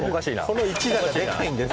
この１打がでかいんです。